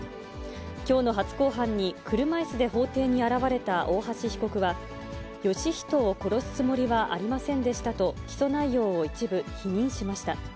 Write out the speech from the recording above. きょうの初公判に車いすで法廷に現れた大橋被告は、芳人を殺すつもりはありませんでしたと、起訴内容を一部否認しました。